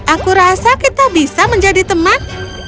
aku rasa kita bisa menjadi teman